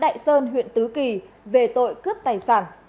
độ anh tuấn ở xã đại sơn huyện tứ kỳ về tội cướp tài sản